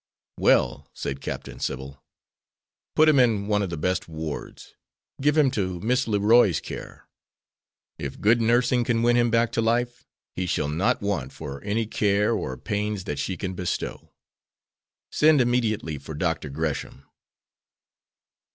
"Well," said Captain Sybil, "put him in one of the best wards. Give him into Miss Leroy's care. If good nursing can win him back to life, he shall not want for any care or pains that she can bestow. Send immediately for Dr. Gresham."